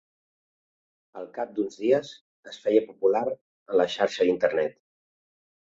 Al cap d'uns dies, es feia popular en la xarxa d'Internet.